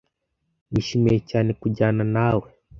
Nishimiye cyane kujyana nawe.